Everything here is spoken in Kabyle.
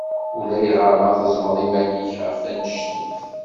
Ulayɣer ma tezzmeḍ iman-ik ɣef annect-en.